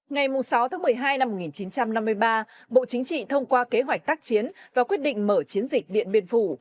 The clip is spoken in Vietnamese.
ngày sáu tháng một mươi hai năm một nghìn chín trăm năm mươi ba bộ chính trị thông qua kế hoạch tác chiến và quyết định mở chiến dịch điện biên phủ